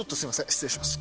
失礼します